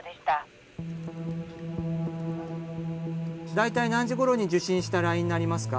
大体何時ごろに受信したラインになりますか？